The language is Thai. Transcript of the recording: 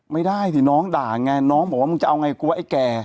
ไม่ได้เดี๋ยวน้องก็ด่าไงน้องก็บอกว่ามันจะเอาไงกับไอ้แก